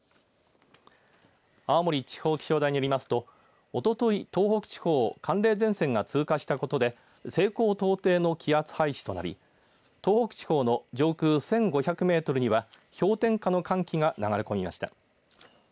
青森地方気象台によりますとおととい東北地方を寒冷前線が通過したことで西高東低の気圧配置となり東北地方の上空１５００メートルには氷点下の寒気が流れ込みました。